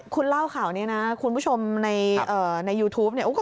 คุณเล่าข่าวนี้นะคุณผู้ชมในยูทูปเนี่ย